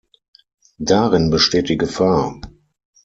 Darin besteht die Gefahr.